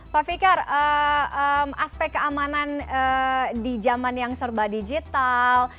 pak fikar aspek keamanan di zaman yang serba digital